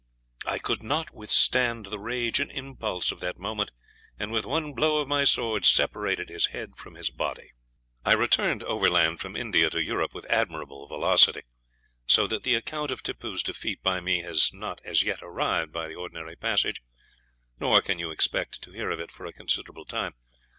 I could not withstand the rage and impulse of that moment, and with one blow of my sword separated his head from his body. I returned overland from India to Europe with admirable velocity, so that the account of Tippoo's defeat by me has not as yet arrived by the ordinary passage, nor can you expect to hear of it for a considerable time.